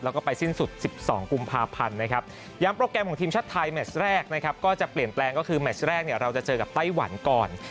แล้วก็ไปสิ้นสุด๑๒กุมภาพันธ์นะครับย้ำโปรแกรมของทีมชาติไทยแมชแรกนะครับก็จะเปลี่ยนแปลงก็คือแมชแรกเนี่ยเราจะเจอกับไต้หวันก่อน